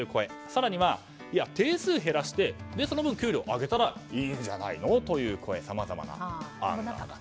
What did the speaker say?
更には、定数を減らしてその分、給料を上げたらいいんじゃないのというさまざま声が。